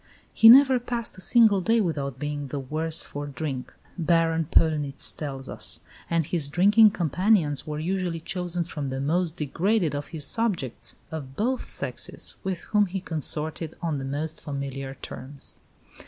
"He never passed a single day without being the worse for drink," Baron Pöllnitz tells us; and his drinking companions were usually chosen from the most degraded of his subjects, of both sexes, with whom he consorted on the most familiar terms.